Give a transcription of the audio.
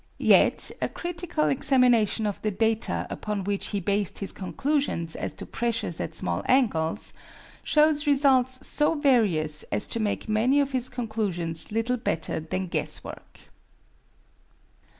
Yet a critical examination of the data upon which he based his conclusions as to the pressures at small angles shows results so various as to make many of his conclusions little better than guesswork.